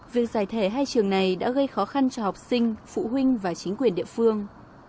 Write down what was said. việc giải thể hai trường này đã gây khó khăn cho học sinh phụ huynh và chính quyền địa phương